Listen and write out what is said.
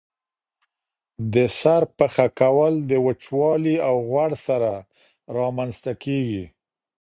د سر پخه کول د وچوالي او غوړ سره رامنځته کیږي.